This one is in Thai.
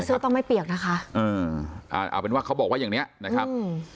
แต่เสื้อต้องไม่เปียกนะคะเอาเป็นว่าเขาบอกว่าอย่างนี้นะครับ